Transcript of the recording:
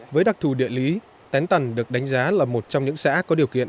với đặc thù địa lý tén tần được đánh giá là một trong những xã có điều kiện